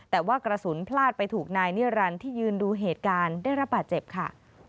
แต่ว่ากระสุนพลาดไปถูกนายนิรันดิ์ที่ยืนดูเหตุการณ์ได้รับบาดเจ็บค่ะ